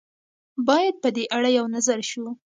باید په دې اړه یو نظر شو.